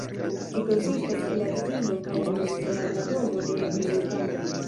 Ĝi konsistas el la Reĝino kaj la Novzelanda Domo de Reprezentantoj.